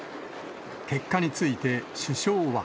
結果について首相は。